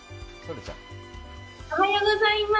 おはようございます。